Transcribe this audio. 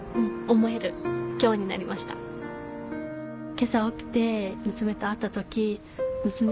今朝起きて娘と会った時。